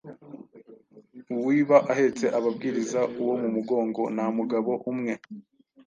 Uwiba ahetse aba abwiriza uwo mu mugongo, Nta mugabo umwe,